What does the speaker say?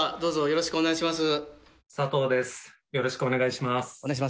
よろしくお願いします。